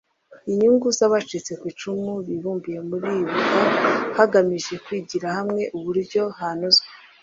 inyungu z abacitse ku icumu bibumbiye muri ibuka hagamije kwigira hamwe uburyo hanozwa